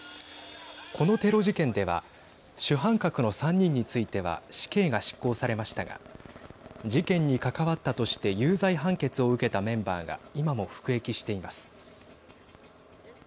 このテロ事件では主犯格の３人については死刑が執行されましたが事件に関わったとして有罪判決を受けたメンバーが今も服役しています。